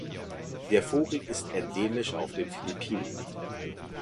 Der Vogel ist endemisch auf den Philippinen.